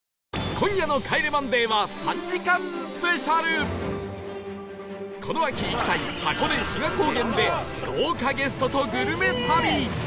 今夜のこの秋行きたい箱根志賀高原で豪華ゲストとグルメ旅